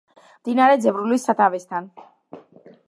მდინარე ძევრულის სათავესთან.